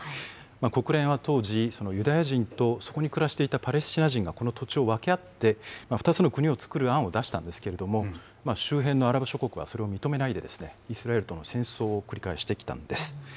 国連は当時、ユダヤ人とそこに暮らしていたパレスチナ人がこの土地を分け合って、２つの国をつくる案を出したんですけれども、周辺のアラブ諸国はそれを認めないでですね、イスラエルとの戦争を繰り返してきたんです。